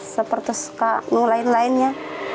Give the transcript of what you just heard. seperti suka ngulain lainnya